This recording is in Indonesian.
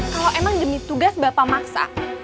kalau emang demi tugas bapak maksa